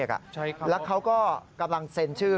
ใช่ครับค่ะอ๋อพบน้ำกระดูกและเขากำลังเซ็นชื่อ